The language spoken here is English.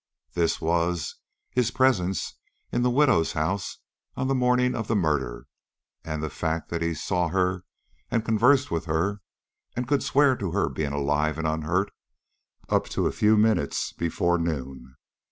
This was, his presence in the widow's house on the morning of the murder, and the fact that he saw her and conversed with her and could swear to her being alive and unhurt up to a few minutes before noon.